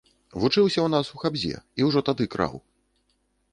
Вучыўся ў нас у хабзе, і ўжо тады краў.